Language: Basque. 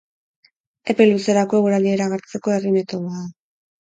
Epe luzerako eguraldia iragartzeko herri metodoa da.